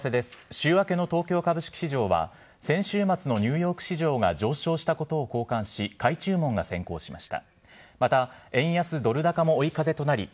週明けの東京株式市場は、先週末のニューヨーク市場が上昇したことを好感し、買い注文が先行しました。